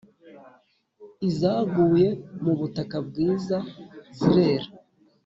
izaguye mu butaka bwiza zirera